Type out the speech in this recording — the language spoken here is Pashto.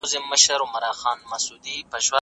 لویه جرګه کله د ملي روغې جوړې لپاره خپل ږغ پورته کوي؟